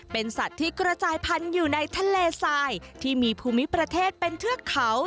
เป็นสัตว์ที่กระจายพันธุ์อยู่ในทะเลทรายที่มีภูมิประเทศเป็นเทือกเขา